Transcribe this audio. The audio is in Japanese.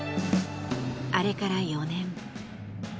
あれから４年。